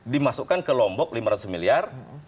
dimasukkan ke lombok lima ratus miliar